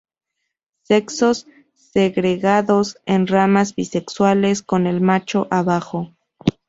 Sexos segregados; en ramas bisexuales; con el macho abajo.